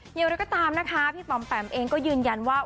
อย่างไรก็ตามนะคะพี่ป๋อมแปมเองก็ยืนยันว่า